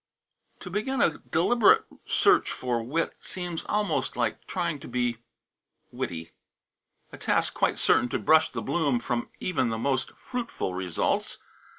To begin a deliberate search for wit seems almost like trying to be witty: a task quite certain to brush the bloom from even the most fruitful results.